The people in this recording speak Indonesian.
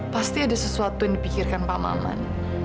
pasti ada sesuatu yang dipikirkan pak maman